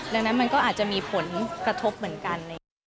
ดังนั้นมันก็อาจจะมีผลกระทบเหมือนกัน